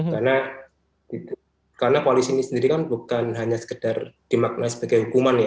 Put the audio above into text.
karena karena koalisi ini sendiri kan bukan hanya sekedar dimaknai sebagai hukuman ya